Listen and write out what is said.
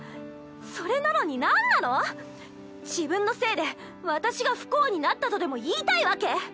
それなのになんなの⁉自分のせいで私が不幸になったとでも言いたいわけ？